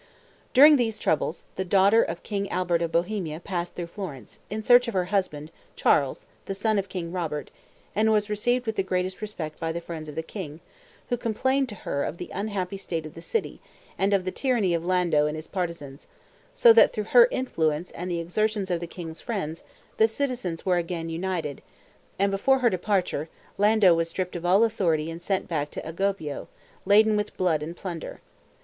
During these troubles, the daughter of King Albert of Bohemia passed through Florence, in search of her husband, Charles, the son of King Robert, and was received with the greatest respect by the friends of the king, who complained to her of the unhappy state of the city, and of the tyranny of Lando and his partisans; so that through her influence and the exertions of the king's friends, the citizens were again united, and before her departure, Lando was stripped of all authority and send back to Agobbio, laden with blood and plunder.